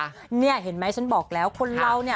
เนี่ยเห็นไหมฉันบอกแล้วคนเราเนี่ย